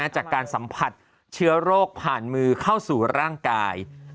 จากการสัมผัสเชื้อโรคผ่านมือเข้าสู่ร่างกาย